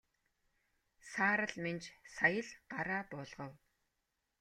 Саарал Минж сая л гараа буулгав.